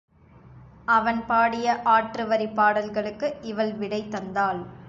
அவன் பாடிய ஆற்று வரிப் பாடல்களுக்கு இவள் விடை தந்தாள்.